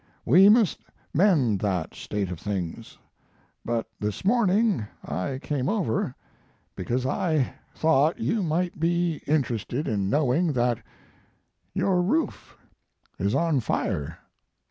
We must mend that state of things. But this morning I came over because I thought you might be inter His Life and Work. lop ested in knowing that your roof is on fire.